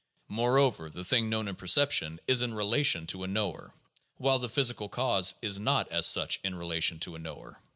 Moreover the thing known in perception is in relation to a knower, while the physical cause is not as such in relation to a knower.